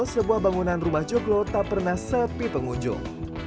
sebuah bangunan rumah joglo tak pernah sepi pengunjung